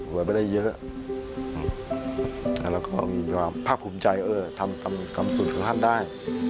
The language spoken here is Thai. ไว้ไม่ได้เยอะแล้วก็มีความภาคภูมิใจเออทำต่ำสุดกับท่านได้